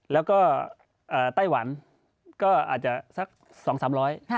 แล้วก็ไต้หวันก็อาจจะสัก๒๓๐๐บาท